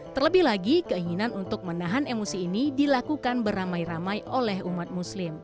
terlebih lagi keinginan untuk menahan emosi ini dilakukan beramai ramai oleh umat muslim